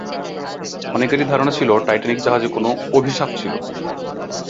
অনেকেরই ধারণা ছিল টাইটানিক জাহাজে কোন অভিশাপ ছিল।